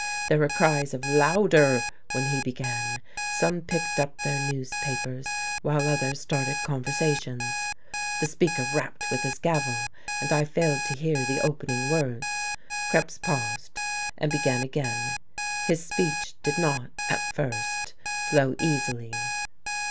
There were cries of "louder" when he began; some picked up their newspapers, while others started conversations. The Speaker rapped with his gavel, and I failed to hear the opening words. Krebs paused, and began again. His speech did not, at first, flow easily.